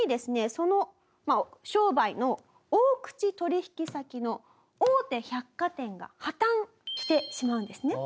その商売の大口取引先の大手百貨店が破綻してしまうんですね。